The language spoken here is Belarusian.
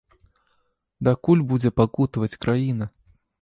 Дакуль будзе пакутаваць краіна?